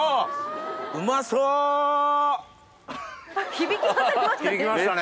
響き渡りましたね！